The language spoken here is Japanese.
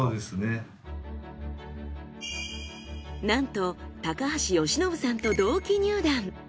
なんと高橋由伸さんと同期入団。